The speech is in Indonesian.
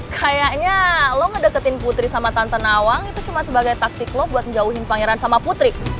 kayaknya lo ngedeketin putri sama tante nawang itu cuma sebagai taktik lo buat menjauhin pangeran sama putri